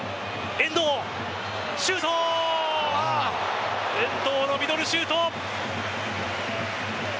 遠藤のミドルシュート。